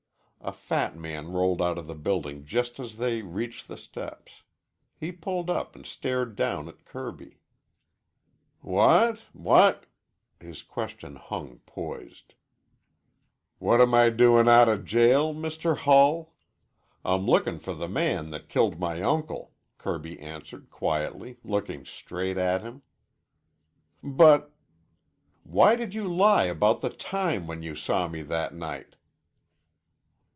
A fat man rolled out of the building just as they reached the steps. He pulled up and stared down at Kirby. "What what ?" His question hung poised. "What am I doin' out o' jail, Mr. Hull? I'm lookin' for the man that killed my uncle," Kirby answered quietly, looking straight at him. "But " "Why did you lie about the time when you saw me that night?"